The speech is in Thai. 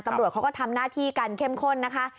ตำรวจเขาก็ทำหน้าที่กันเข้มข้นนะคะ